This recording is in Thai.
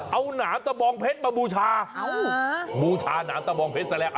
เอาหนามตะบองเพชรมาบูชาบูชาหนามตะบองเพชรซะแล้ว